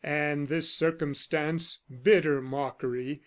And this circumstance, bitter mockery!